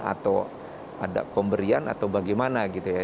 atau ada pemberian atau bagaimana gitu ya